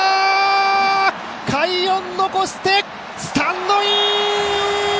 快音残してスタンドイン！